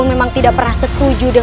pengangkatan raden kiansantang